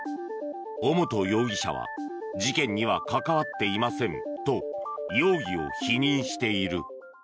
尾本容疑者は事件には関わっていませんと容疑を否認している。